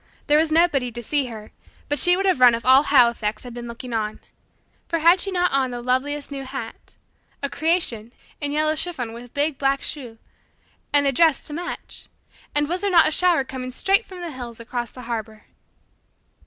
There was nobody to see her, but she would have run if all Halifax had been looking on. For had she not on the loveliest new hat a "creation" in yellow chiffon with big black choux and a dress to match? And was there not a shower coming straight from the hills across the harbour?